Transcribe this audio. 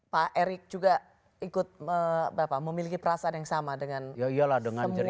pak erik juga ikut memiliki perasaan yang sama dengan semuanya soal perlakuan wasit itu